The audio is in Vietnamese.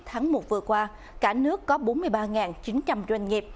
tháng một vừa qua cả nước có bốn mươi ba chín trăm linh doanh nghiệp